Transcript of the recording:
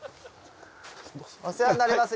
お世話になります。